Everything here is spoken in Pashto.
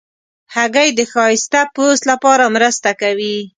هګۍ د ښایسته پوست لپاره مرسته کوي.